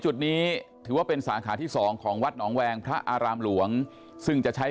จุดนี้ถือว่าเป็นสาขาที่สองของวัดหนองแวงพระอารามหลวงซึ่งจะใช้